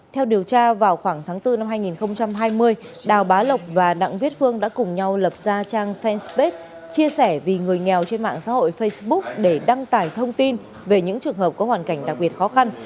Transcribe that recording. theo điều tra vào khoảng tháng bốn năm hai nghìn hai mươi đào bá lộc và đặng viết phương đã cùng nhau lập ra trang fanpage chia sẻ vì người nghèo trên mạng xã hội facebook để đăng tải thông tin về những trường hợp có hoàn cảnh đặc biệt khó khăn